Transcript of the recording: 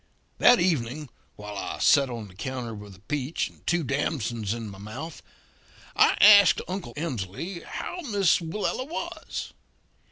"That evening, while I set on the counter with a peach and two damsons in my mouth, I asked Uncle Emsley how Miss Willella was.